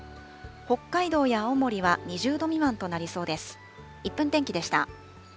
北海道や青森は２０度未満となりそうです。